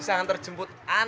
jenah kamu ya kan